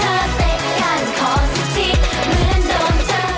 เหมือนโดนเธอ